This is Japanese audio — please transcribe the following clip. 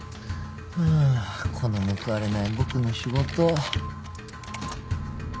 ハァこの報われない僕の仕事。